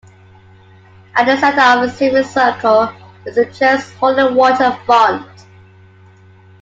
At the center of the semicircle is the church's holy water font.